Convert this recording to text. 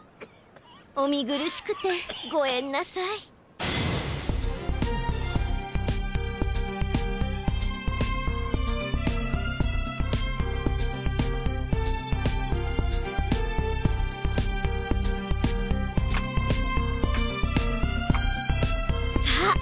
お見苦しくてゴエンなさいさあ